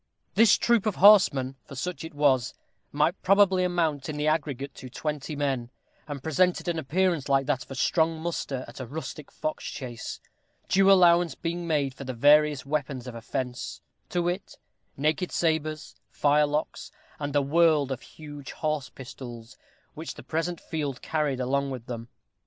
This troop of horsemen, for such it was, might probably amount in the aggregate to twenty men, and presented an appearance like that of a strong muster at a rustic fox chase, due allowance being made for the various weapons of offence; to wit: naked sabers, firelocks, and a world of huge horse pistols, which the present field carried along with them.